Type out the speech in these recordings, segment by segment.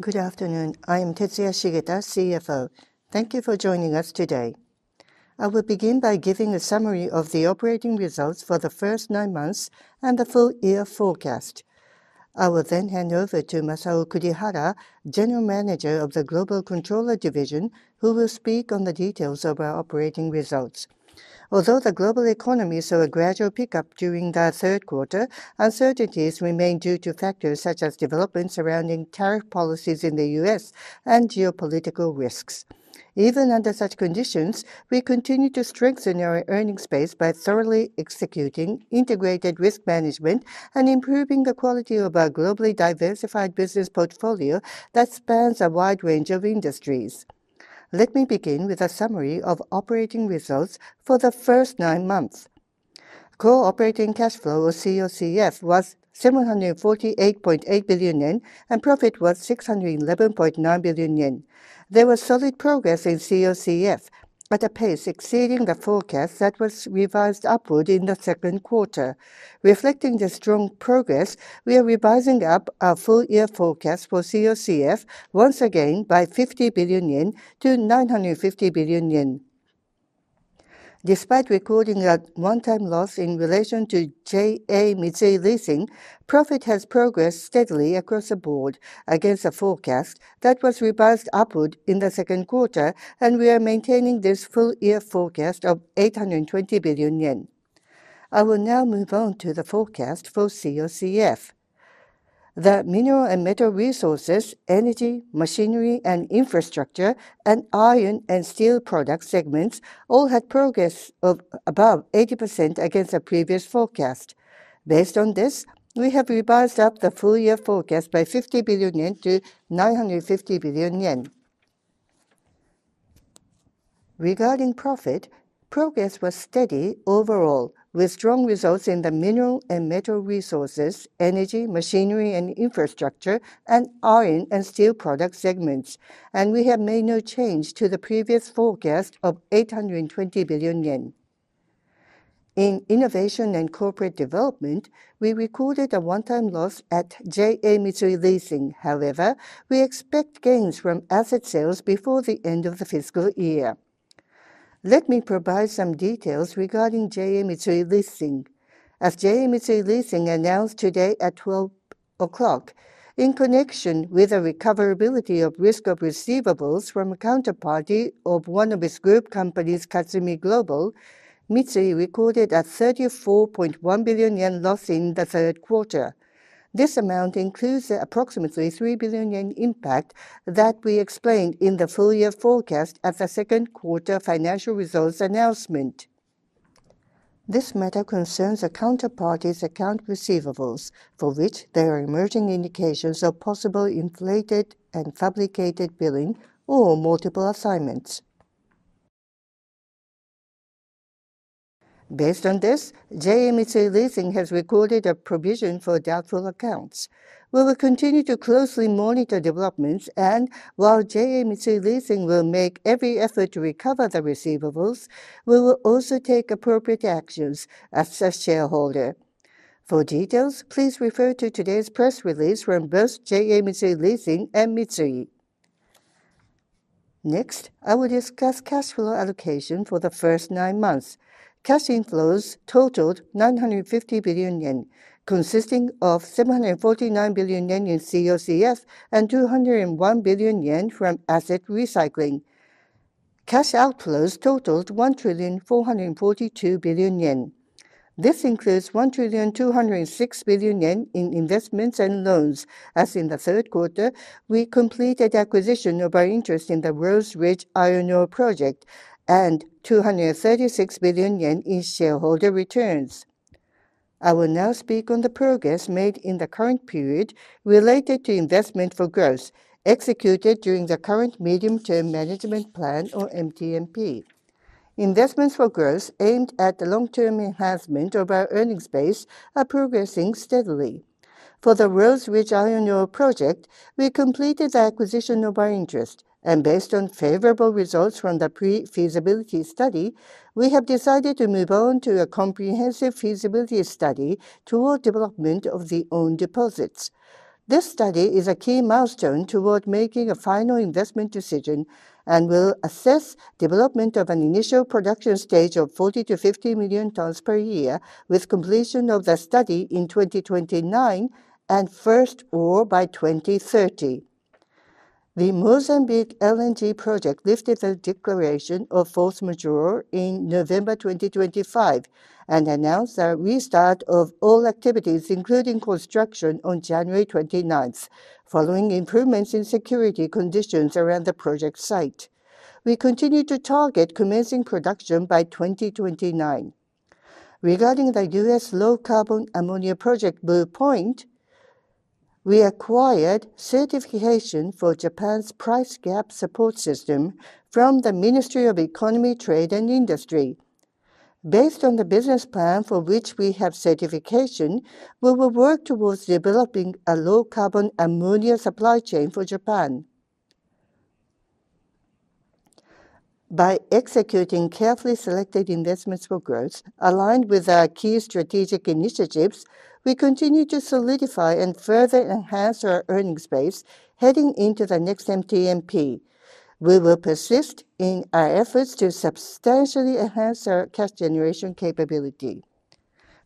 Good afternoon, I am Tetsuya Shigeta, CFO. Thank you for joining us today. I will begin by giving a summary of the operating results for the first nine months and the full year forecast. I will then hand over to Masao Kurihara, General Manager of the Global Controller Division, who will speak on the details of our operating results. Although the global economy saw a gradual pickup during the third quarter, uncertainties remain due to factors such as developments surrounding tariff policies in the U.S. and geopolitical risks. Even under such conditions, we continue to strengthen our earning space by thoroughly executing integrated risk management and improving the quality of our globally diversified business portfolio that spans a wide range of industries. Let me begin with a summary of operating results for the first nine months. Core operating cash flow, or COCF, was 748.8 billion yen, and profit was 611.9 billion yen. There was solid progress in COCF, at a pace exceeding the forecast that was revised upward in the second quarter. Reflecting the strong progress, we are revising up our full-year forecast for COCF once again by 50 billion yen to 950 billion yen. Despite recording a one-time loss in relation to JA Mitsui Leasing, profit has progressed steadily across the board against a forecast that was revised upward in the second quarter, and we are maintaining this full-year forecast of 820 billion yen. I will now move on to the forecast for COCF. The mineral and metal resources, energy, machinery and infrastructure, and Iron & Steel Product segments all had progress of above 80% against the previous forecast. Based on this, we have revised up the full-year forecast by 50 billion yen to 950 billion yen. Regarding profit, progress was steady overall, with strong results in the Mineral & Metal Resources, Energy, Machinery & Infrastructure, and Iron & Steel product segments, and we have made no change to the previous forecast of 820 billion yen. In Innovation & Corporate Development, we recorded a one-time loss at JA Mitsui Leasing. However, we expect gains from asset sales before the end of the fiscal year. Let me provide some details regarding JA Mitsui Leasing. As JA Mitsui Leasing announced today at 12:00, in connection with the recoverability of risk of receivables from a counterparty of one of its group companies, Katsumi Global, MITSUI recorded a 34.1 billion yen loss in the third quarter. This amount includes the approximately 3 billion yen impact that we explained in the full-year forecast at the second quarter financial results announcement. This matter concerns a counterparty's account receivables, for which there are emerging indications of possible inflated and fabricated billing or multiple assignments. Based on this, JA Mitsui Leasing has recorded a provision for doubtful accounts. We will continue to closely monitor developments, and while JA Mitsui Leasing will make every effort to recover the receivables, we will also take appropriate actions as the shareholder. For details, please refer to today's press release from both JA Mitsui Leasing and Mitsui. Next, I will discuss cash flow allocation for the first nine months. Cash inflows totaled 950 billion yen, consisting of 749 billion yen in COCFs and 201 billion yen from asset recycling. Cash outflows totaled 1,442 billion yen. This includes 1,206 billion yen in investments and loans, as in the third quarter, we completed acquisition of our interest in the Rhodes Ridge Iron Ore Project, and 236 billion yen in shareholder returns. I will now speak on the progress made in the current period related to investment for growth, executed during the current medium-term management plan, or MTMP. Investments for growth aimed at the long-term enhancement of our earnings base are progressing steadily. For the Rhodes Ridge Iron Ore Project, we completed the acquisition of our interest, and based on favorable results from the pre-feasibility study, we have decided to move on to a comprehensive feasibility study toward development of the own deposits. This study is a key milestone toward making a final investment decision and will assess development of an initial production stage of 40-50 million tons per year, with completion of the study in 2029 and first ore by 2030. The Mozambique LNG Project lifted a declaration of force majeure in November 2025 and announced a restart of all activities, including construction, on January 29th, following improvements in security conditions around the project site. We continue to target commencing production by 2029. Regarding the U.S. low-carbon ammonia project, Blue Point, we acquired certification for Japan's Price Cap Support System from the Ministry of Economy, Trade, and Industry. Based on the business plan for which we have certification, we will work towards developing a low-carbon ammonia supply chain for Japan. By executing carefully selected investments for growth, aligned with our key strategic initiatives, we continue to solidify and further enhance our earnings base, heading into the next MTMP. We will persist in our efforts to substantially enhance our cash generation capability.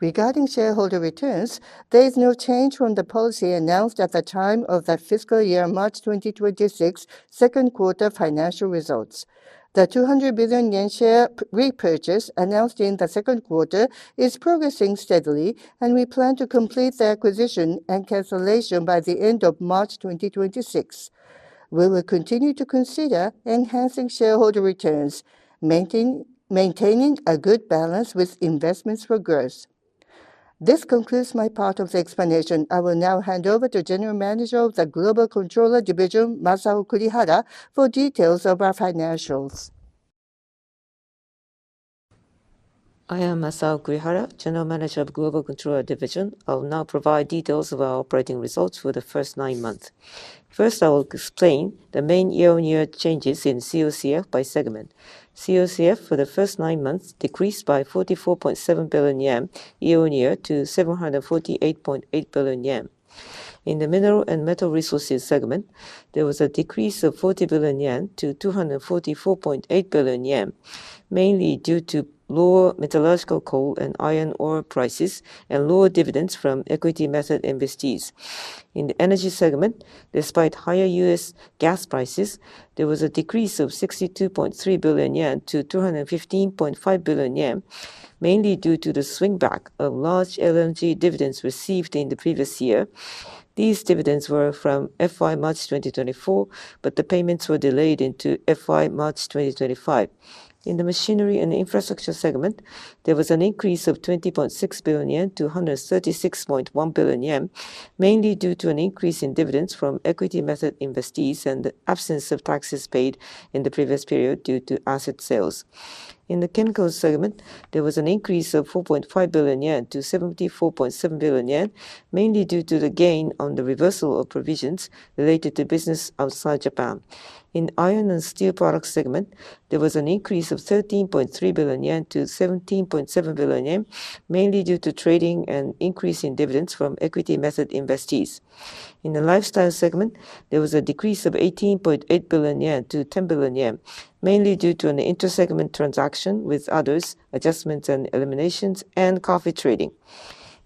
Regarding shareholder returns, there is no change from the policy announced at the time of the fiscal year, March 2026, second quarter financial results. The 200 billion yen share repurchase announced in the second quarter is progressing steadily, and we plan to complete the acquisition and cancellation by the end of March 2026. We will continue to consider enhancing shareholder returns, maintaining a good balance with investments for growth. This concludes my part of the explanation. I will now hand over to General Manager of the Global Controller Division, Masao Kurihara, for details of our financials. I am Masao Kurihara, General Manager of Global Controller Division. I'll now provide details of our operating results for the first nine months. First, I will explain the main year-on-year changes in COCF by segment. COCF for the first nine months decreased by 44.7 billion yen year-on-year to 748.8 billion yen. In the Mineral & Metal Resources segment, there was a decrease of 40 billion yen to 244.8 billion yen, mainly due to lower metallurgical coal and iron ore prices and lower dividends from equity method investees. In the Energy segment, despite higher U.S. gas prices, there was a decrease of 62.3 billion yen to 215.5 billion yen, mainly due to the swing back of large LNG dividends received in the previous year. These dividends were from FY March 2024, but the payments were delayed into FY March 2025. In the Machinery & Infrastructure segment, there was an increase of 20.6 billion yen to 136.1 billion yen, mainly due to an increase in dividends from equity method investees and the absence of taxes paid in the previous period due to asset sales. In the Chemicals segment, there was an increase of 4.5 billion yen to 74.7 billion yen, mainly due to the gain on the reversal of provisions related to business outside Japan. In Iron & Steel Products segment, there was an increase of 13.3 billion yen to 17.7 billion yen, mainly due to trading and increase in dividends from equity method investees. In the Lifestyle segment, there was a decrease of 18.8 billion yen to 10 billion yen, mainly due to an inter-segment transaction with others, adjustments and eliminations, and coffee trading.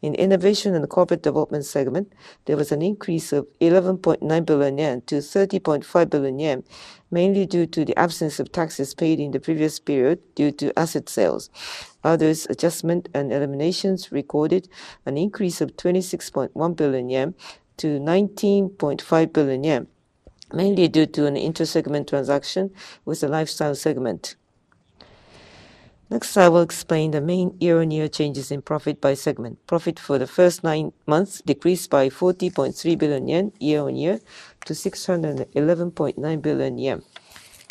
In Innovation & Corporate Development segment, there was an increase of 11.9 billion yen to 30.5 billion yen, mainly due to the absence of taxes paid in the previous period due to asset sales. Others, adjustments and eliminations, recorded an increase of 26.1 billion yen to 19.5 billion yen, mainly due to an inter-segment transaction with the Lifestyle segment. Next, I will explain the main year-on-year changes in profit by segment. Profit for the first nine months decreased by 40.3 billion yen, year-on-year, to 611.9 billion yen.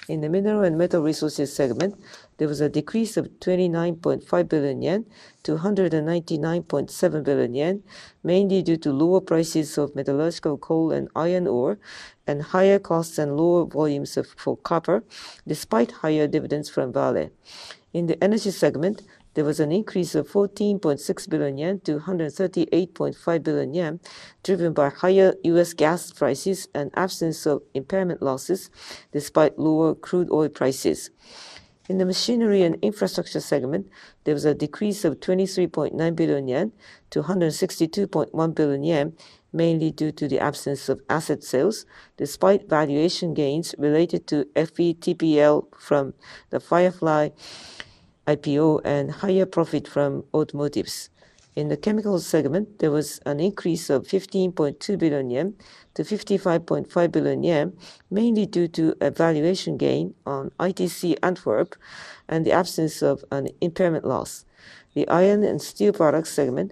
In the Mineral & Metal Resources segment, there was a decrease of 29.5 billion yen to 199.7 billion yen, mainly due to lower prices of metallurgical coal and iron ore, and higher costs and lower volumes of for copper, despite higher dividends from Vale. In the Energy segment, there was an increase of 14.6 billion yen to 138.5 billion yen, driven by higher U.S. gas prices and absence of impairment losses, despite lower crude oil prices. In the Machinery & Infrastructure segment, there was a decrease of 23.9 billion yen to 162.1 billion yen, mainly due to the absence of asset sales, despite valuation gains related to FVTPL from the Firefly IPO and higher profit from automotives. In the Chemical segment, there was an increase of 15.2 billion yen to 55.5 billion yen, mainly due to a valuation gain on ITC Antwerp and the absence of an impairment loss. The Iron & Steel Products segment,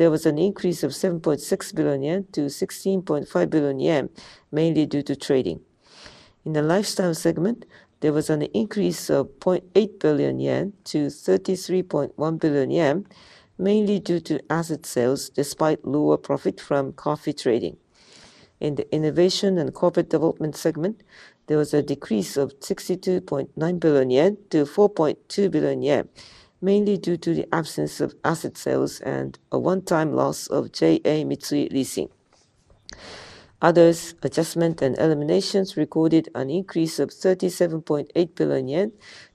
there was an increase of 7.6 billion yen to 16.5 billion yen, mainly due to trading. In the Lifestyle segment, there was an increase of 0.8 billion yen to 33.1 billion yen, mainly due to asset sales, despite lower profit from coffee trading. In the Innovation and Corporate Development segment, there was a decrease of 62.9 billion yen to 4.2 billion yen, mainly due to the absence of asset sales and a one-time loss of JA Mitsui Leasing. Others, adjustment and eliminations, recorded an increase of 37.8 billion yen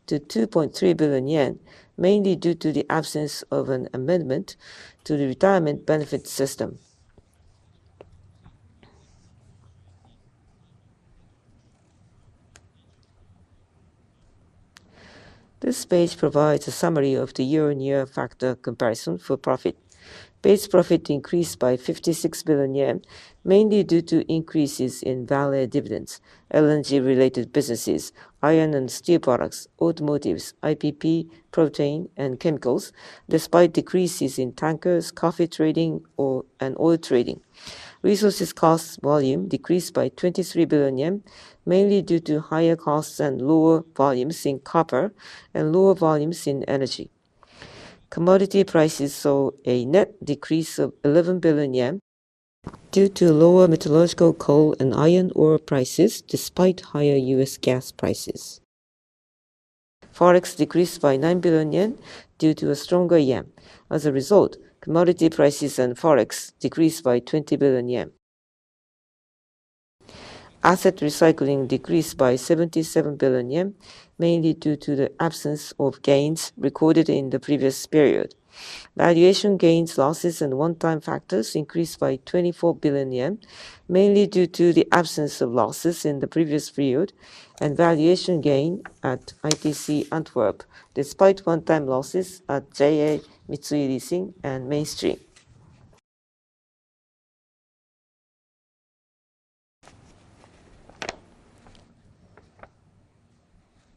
to 2.3 billion yen, mainly due to the absence of an amendment to the retirement benefit system. This page provides a summary of the year-over-year factor comparison for profit. Base profit increased by 56 billion yen, mainly due to increases in Vale dividends, LNG-related businesses, Iron & Steel Products, Automotives, IPP, Protein, and Chemicals, despite decreases in tankers, coffee trading and oil trading. Resources costs volume decreased by 23 billion yen, mainly due to higher costs and lower volumes in copper and lower volumes in energy. Commodity prices saw a net decrease of 11 billion yen due to lower metallurgical coal and iron ore prices, despite higher U.S. gas prices. Forex decreased by 9 billion yen due to a stronger yen. As a result, commodity prices and Forex decreased by 20 billion yen. Asset recycling decreased by 77 billion yen, mainly due to the absence of gains recorded in the previous period. Valuation gains, losses, and one-time factors increased by 24 billion yen, mainly due to the absence of losses in the previous period and valuation gain at ITC Antwerp, despite one-time losses at JA Mitsui Leasing and Mainstream.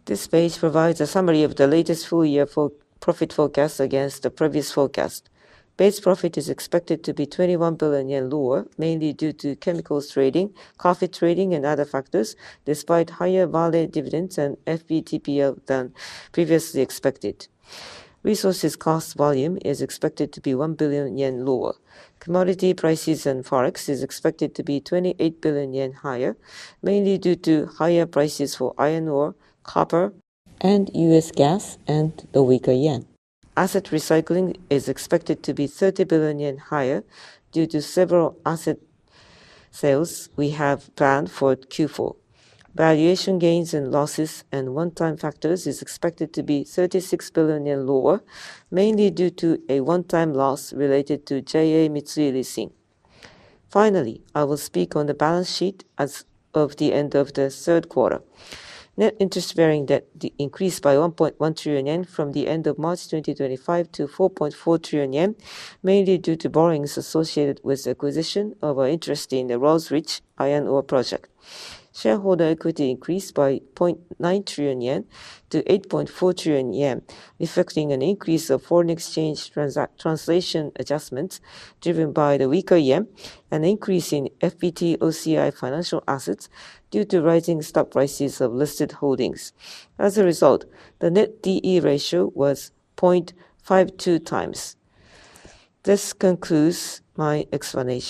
This page provides a summary of the latest full year for profit forecast against the previous forecast. Base profit is expected to be 21 billion yen lower, mainly due to chemicals trading, coffee trading, and other factors, despite higher Vale dividends and FVTPL than previously expected. Resources cost volume is expected to be 1 billion yen lower. Commodity prices and Forex is expected to be 28 billion yen higher, mainly due to higher prices for iron ore, copper, and U.S. gas, and a weaker yen. Asset recycling is expected to be 30 billion yen higher due to several asset sales we have planned for Q4. Valuation gains and losses and one-time factors is expected to be 36 billion yen lower, mainly due to a one-time loss related to JA Mitsui Leasing. Finally, I will speak on the balance sheet as of the end of the third quarter. Net interest bearing debt increased by 1.1 trillion yen from the end of March 2025 to 4.4 trillion yen, mainly due to borrowings associated with the acquisition of our interest in the Rhodes Ridge Iron Ore Project. Shareholder equity increased by 0.9 trillion yen to 8.4 trillion yen, reflecting an increase of foreign exchange translation adjustments driven by the weaker yen, an increase in FVTOCI financial assets due to rising stock prices of listed holdings. As a result, the net DE ratio was 0.52x. This concludes my explanation.